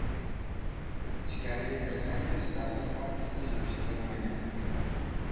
Ichkariga kirsangiz dasturxon usti yig‘ishtirilmagan.